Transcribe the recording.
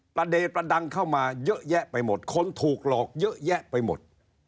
ประเด็นประดังเข้ามาเยอะแยะไปหมดคนถูกหลอกเยอะแยะไปหมด